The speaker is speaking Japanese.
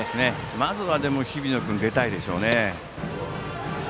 まずは日比野君出たいでしょうね。